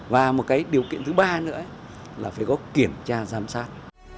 và một cái điều kiện thứ ba nữa là phải có kiểm tra giám sát